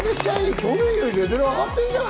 去年よりレベル上がってるんじゃない？